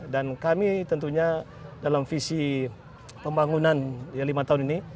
dan kami tentunya dalam visi pembangunan lima tahun ini